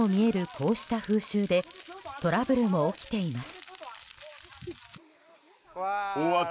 こうした風習でトラブルも起きています。